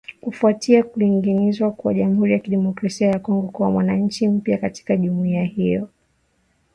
Kufuatia kuingizwa kwa Jamuhuri ya Kidemokrasia ya Kongo kuwa mwanachama mpya katika jumuiya hiyo